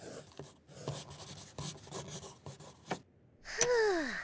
ふう。